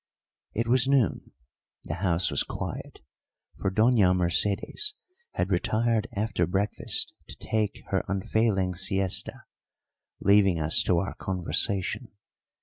It was noon: the house was quiet, for Doña Mercedes had retired after breakfast to take her unfailing siesta, leaving us to our conversation.